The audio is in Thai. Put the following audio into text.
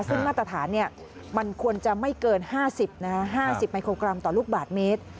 ซึ่งมาตรฐานมันควรจะไม่เกิน๕๐๕๐มิโครกรัมต่อลูกบาทเมตร